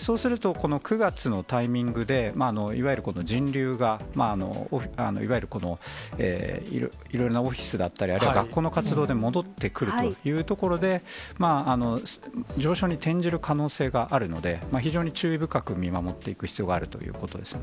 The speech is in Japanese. そうすると、この９月のタイミングで、いわゆるこの人流が、いわゆるこの、いろいろなオフィスだったり、あるいは学校の活動で戻ってくるというところで、上昇に転じる可能性があるので、非常に注意深く見守っていく必要があるということですね。